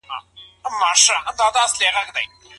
ایا بهرني سوداګر ممیز صادروي؟